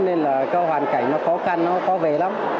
nên là cái hoàn cảnh nó khó khăn nó có về lắm